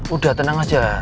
udah tenang aja